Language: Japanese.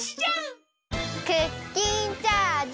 クッキンチャージ！